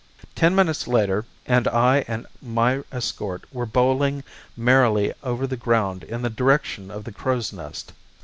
Ten minutes later and I and my escort were bowling merrily over the ground in the direction of the Crow's Nest.